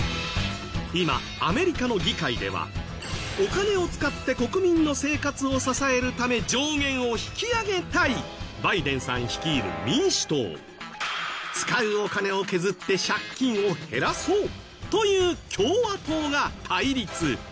今アメリカの議会ではお金を使って国民の生活を支えるため上限を引き上げたいバイデンさん率いる民主党使うお金を削って借金を減らそうという共和党が対立。